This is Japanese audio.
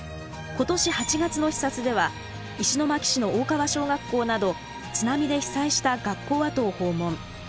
今年８月の視察では石巻市の大川小学校など津波で被災した学校跡を訪問。